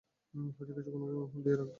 হয়তো কিছু কোন দিয়ে রাখতে পারো।